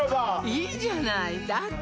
いいじゃないだって